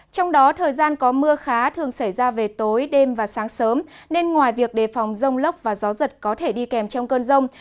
trong đó thời gian có mưa khá thường xảy ra về tối đêm và sáng sớm nên ngoài việc đề phòng rông lốc và gió giật có thể đi kèm trong cơn rông